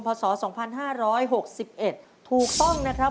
ศ๒๕๖๑ถูกต้องนะครับ